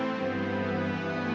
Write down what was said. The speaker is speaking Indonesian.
lalu aku mau pergi